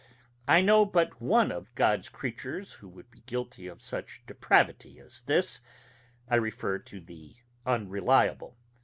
I know but one of God's creatures who would be guilty of such depravity as this: I refer to the Unreliable.